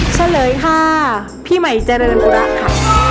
เช่ลย๕พี่ใหม่จะหลุมรักค่ะ